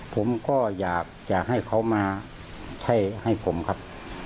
ผมก็อยากจะให้เขามาใช่ให้ผมครับ